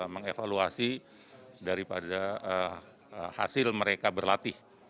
mengevaluasi daripada hasil mereka berlatih